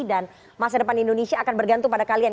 dan masa depan indonesia akan bergantung pada kalian